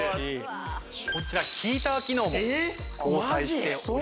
こちらヒーター機能も搭載しております。